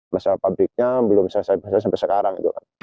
masalah pabriknya belum selesai bahasa sampai sekarang